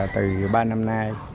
từ ba năm nay